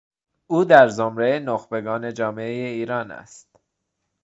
او در زمرهی نخبگان جامعهی ایران است.